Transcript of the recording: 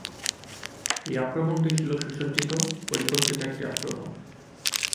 এই আক্রমণটি ছিল সুসজ্জিত পরিকল্পিত একটি আক্রমণ।